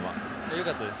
良かったです。